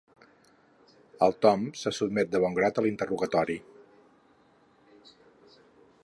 El Tom se sotmet de bon grat a l'interrogatori.